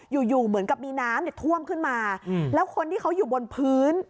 อยู่อยู่เหมือนกับมีน้ำเนี่ยท่วมขึ้นมาแล้วคนที่เขาอยู่บนพื้น